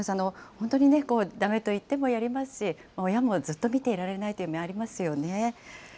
本当にね、だめと言ってもやりますし、親もずっと見ていられないという面もありますよね。